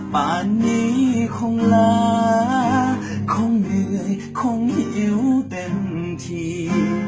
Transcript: ป่านนี้คงลาคงเหนื่อยคงไม่อิ๋วเต็มที